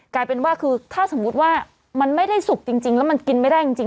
กลายเป็นว่าคือถ้าสมมุติว่ามันไม่ได้สุกจริงแล้วมันกินไม่ได้จริง